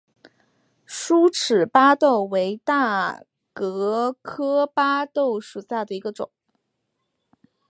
疏齿巴豆为大戟科巴豆属下的一个种。